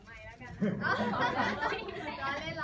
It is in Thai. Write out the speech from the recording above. ภรรยาให้ดีกว่าสุด